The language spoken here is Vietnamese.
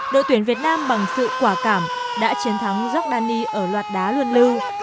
đội tuyển việt nam bằng sự quả cảm đã chiến thắng giordani ở loạt đá luân lưu